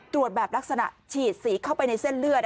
ตรวจแบบลักษณะฉีดสีเข้าไปในเส้นเลือด